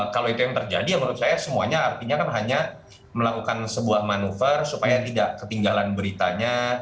kalau itu yang terjadi ya menurut saya semuanya artinya kan hanya melakukan sebuah manuver supaya tidak ketinggalan beritanya